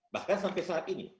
bahkan sampai saat ini